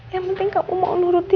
yang penting kamu mau nurut ya